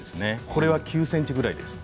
これは９ｃｍぐらいです。